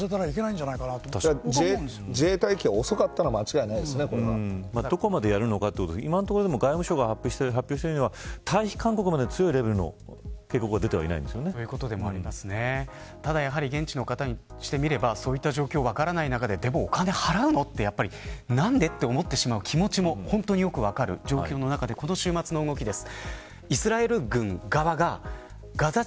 そこを混乱させてはいけないんじゃないかなと自衛隊機が遅かったのはどこまでやるのかというところで今のところ外務省が発表しているのは退避勧告レベルの強いレベルの警告はただ、現地の方にしてみればそういった状況が分からない中ででも、お金を払うの、何でと思ってしまう気持ちも本当によく分かる状況の中でこの週末の動きです。